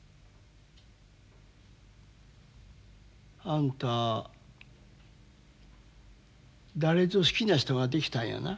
あんた誰ぞ好きな人ができたんやな。